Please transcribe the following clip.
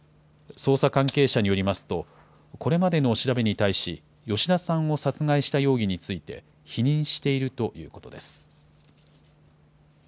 捜査関係者によりますと、これまでの調べに対し吉田さんを殺害した容疑について、否認しているということです。